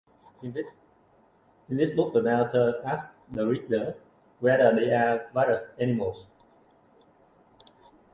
In this book the narrator asks the reader whether they are various animals.